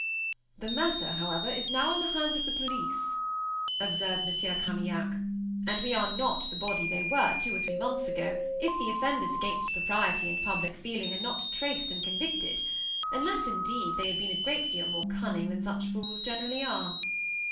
"The matter, however, is now in the hands of the police," observed Monsieur Carmaignac, "and we are not the body they were two or three months ago, if the offenders against propriety and public feeling are not traced and convicted, unless, indeed, they have been a great deal more cunning than such fools generally are."